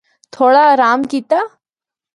تھوڑا آرام کیتا۔